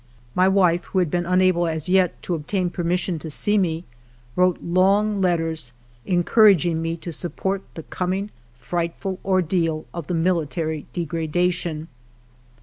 My wife, who had been unable as yet to obtain permission to see me, wrote long letters encouraging me to sup port the coming frightful ordeal of the military degradation.